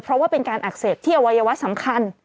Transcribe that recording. เพราะว่าเป็นการอักเสบที่อวัยวะสำคัญ